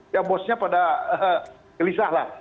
ya bosnya pada gelisah lah